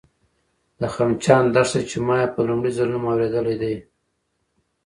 د خمچان دښته، چې ما یې په لومړي ځل نوم اورېدی دی